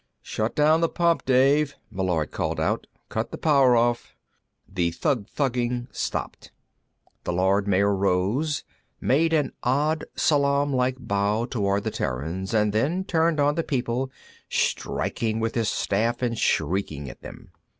"Shut down the pump, Dave!" Meillard called out. "Cut the power off." The thugg thugg ing stopped. The Lord Mayor rose, made an odd salaamlike bow toward the Terrans, and then turned on the people, striking with his staff and shrieking at them.